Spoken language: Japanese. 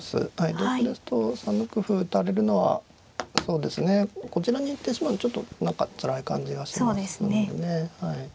同歩ですと３六歩打たれるのはそうですねこちらに行ってしまうとちょっと何かつらい感じがしますのでね。